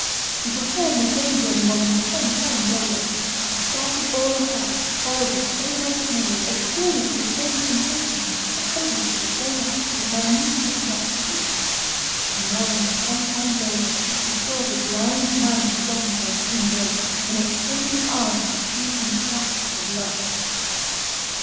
He performed the same journey more than ten times over. He started all afire, followed the same itinerary, experienced the same sensations, accomplished the same acts, with minute exactitude; and more than ten times over, he saw the drowned man present himself to be embraced, when he extended his arms to seize and clasp his love.